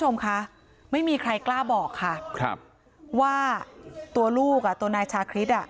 คุณผู้ชมคะไม่มีใครกล้าบอกค่ะครับว่าตัวลูกอ่ะตัวนายชาคริสอ่ะ